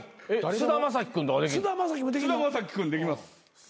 菅田将暉君できます。